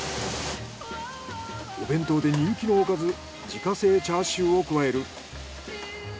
お弁当で人気のおかず自家製チャーシューを加える。